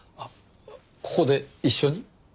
ここで一緒に？